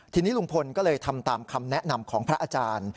ทีนี้ลุงพลก็เลยทำตามคำแนะนำของพระอาจารย์